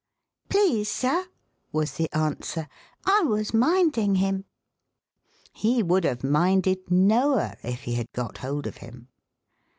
"Please, sir," was the answer, "I was minding him." He would have "minded" Noah if he had got hold of him.